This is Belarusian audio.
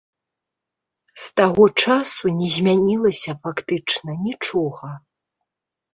З таго часу не змянілася фактычна нічога.